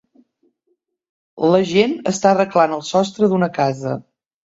La gent està arreglant el sostre d'una casa